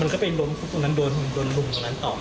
มันก็ไปลงตรงนั้นโดนลุงตรงนั้นต่อ